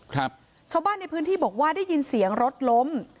ชาวบ้านในพื้นที่บอกว่าได้ยินเสียงรถล้ม